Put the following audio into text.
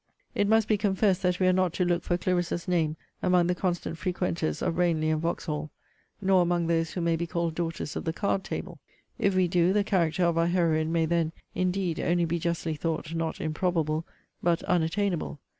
It must be confessed that we are not to look for Clarissa's name among the constant frequenters of Ranelagh and Vauxhall, nor among those who may be called Daughters of the card table. If we do, the character of our heroine may then, indeed, only be justly thought not improbable, but unattainable.